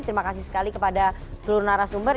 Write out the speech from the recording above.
terima kasih sekali kepada seluruh narasumber